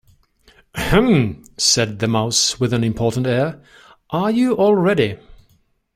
‘Ahem!’ said the Mouse with an important air, ‘are you all ready?’